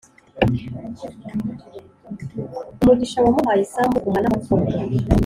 umugisha Wamuhaye isambu umuha n amatungo